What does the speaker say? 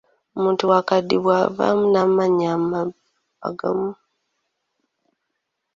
Omuntu bw'akaddiwa avaamu n'amannyo agamu.